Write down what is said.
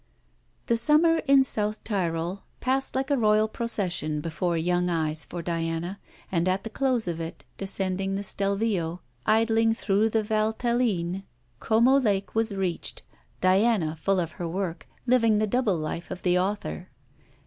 The Summer in South Tyrol passed like a royal procession before young eyes for Diana, and at the close of it, descending the Stelvio, idling through the Valtelline, Como Lake was reached, Diana full of her work, living the double life of the author.